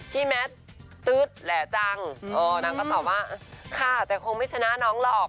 แมทตื๊ดแหล่จังนางก็ตอบว่าค่ะแต่คงไม่ชนะน้องหรอก